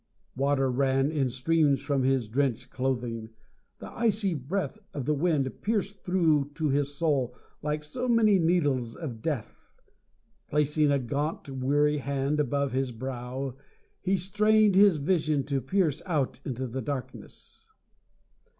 Water ran in streams from his drenched clothing. The icy breath of the wind pierced through to his soul like so many needles of death. Placing a gaunt, weary hand above his brow he strained his vision to pierce out into the darkness.